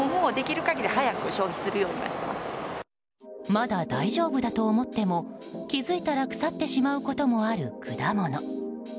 まだ大丈夫だと思っても気づいたら腐ってしまうこともある果物。